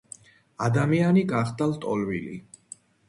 ადამიანი გახდა ლტოლვილი.